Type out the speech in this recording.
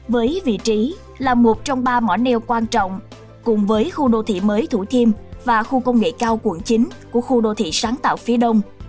với vị trí là một trong ba mỏ neo quan trọng cùng với khu đô thị mới thủ thiêm và khu công nghệ cao quận chín của khu đô thị sáng tạo phía đông